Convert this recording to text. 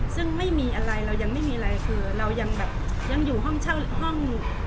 ซึ่งไม่มีอะไรเรายังไม่มีอะไรคือเรายังแบบยังอยู่ห้องเช่าห้อง